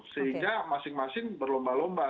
sehingga masing masing berlomba lomba